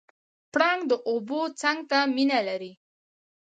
پړانګ د اوبو څنګ ته مینه لري.